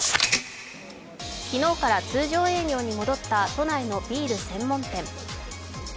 昨日から通常営業に戻った都内のビール専門店。